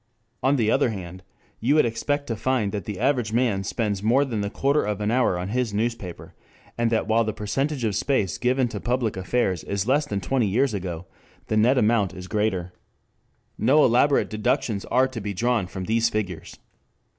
On the other hand you would expect to find that the average man spends more than the quarter of an hour on his newspaper, and that while the percentage of space given to public affairs is less than twenty years ago the net amount is greater. No elaborate deductions are to be drawn from these figures.